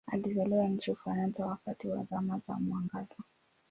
Alizaliwa nchini Ufaransa wakati wa Zama za Mwangaza.